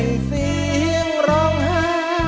ไม่ใช้ครับไม่ใช้ครับ